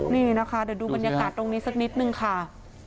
นี่นะคะเดี๋ยวดูบรรยากาศตรงนี้สักนิดนึงค่ะ